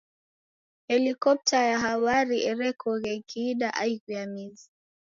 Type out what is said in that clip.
Helikopta ya habari erekoghe ikiida aighu ya mizi,.